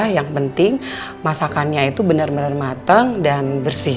yang penting masakannya itu benar benar matang dan bersih